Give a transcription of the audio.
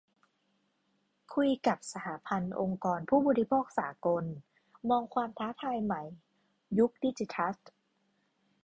คุยกับ 'สหพันธ์องค์กรผู้บริโภคสากล' มองความท้าทายใหม่ยุคดิจิทัล